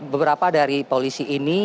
beberapa dari polisi ini